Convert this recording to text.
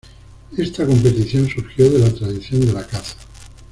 Esta competición surgió de la tradición de la caza.